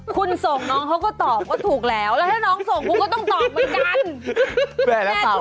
คุณส่งน้องเขาก็ตอบก็ถูกแล้วแล้วถ้าน้องส่งคุณก็ต้องตอบเหมือนกัน